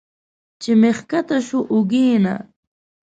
چې مې ښکته شو اوږې نه